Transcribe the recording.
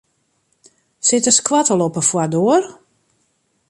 Sit de skoattel op de foardoar?